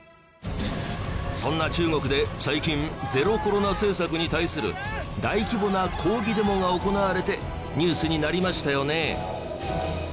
そんな中国で最近ゼロコロナ政策に対する大規模な抗議デモが行われてニュースになりましたよね。